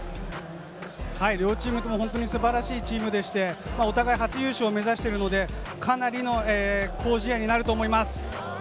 両チームとも本当に素晴らしいチームでして、お互い初優勝を目指しているので、かなりの好試合になると思います。